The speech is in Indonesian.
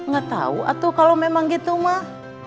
gak tau atuh kalau memang gitu mah